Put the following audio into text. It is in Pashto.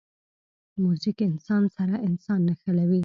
موزیک انسان سره انسان نښلوي.